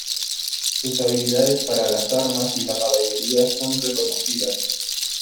Sus habilidades para las armas y la caballería son reconocidas.